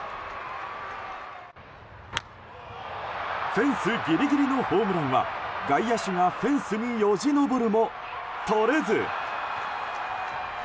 フェンスギリギリのホームランは外野手がフェンスによじ登るも取れず。